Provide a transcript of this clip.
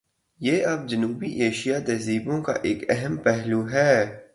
یہ اب جنوبی ایشیائی تہذیبوں کا ایک اہم پہلو ہے۔